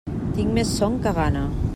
Tinc més son que gana.